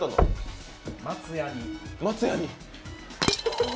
松やに。